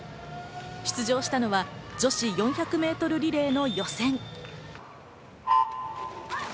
出場したのは女子４００ｍリレーの予選。